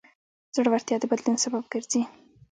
زړورتیا د بدلون سبب ګرځي.